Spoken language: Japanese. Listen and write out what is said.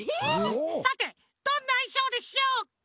さてどんないしょうでしょうか？